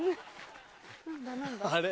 あれ？